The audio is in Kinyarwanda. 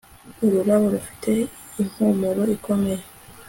ururabo rufite impumuro ikomeye